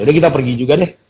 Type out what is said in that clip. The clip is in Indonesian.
udah kita pergi juga deh